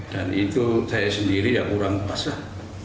dan itu saya sendiri yang kurang pas lah